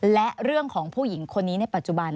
และเรื่องของผู้หญิงคนนี้ในปัจจุบัน